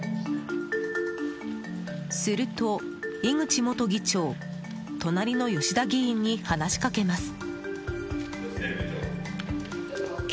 すると井口元議長隣の吉田議員に話しかけます。